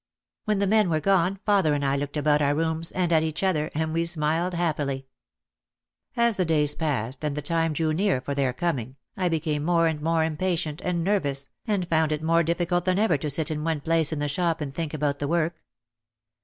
When the men were gone father and I looked about our rooms and at each other, and we smiled happily. As the days passed and the time drew near for their coming, I became more and more impatient and nervous and found it more difficult than ever to sit in one place in the shop and think about the work.